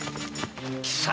貴様！